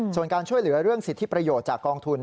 ส่วนการช่วยเหลือเรื่องสิทธิประโยชน์จากกองทุน